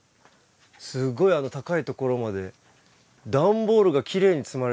すごいあの高いところまで段ボールがきれいに積まれてますね。